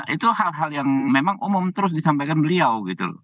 itu hal hal yang memang umum terus disampaikan beliau gitu loh